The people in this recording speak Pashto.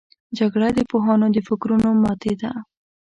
جګړه د پوهانو د فکرونو ماتې ده